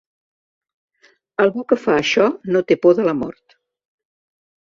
Algú que fa això no té por de la mort.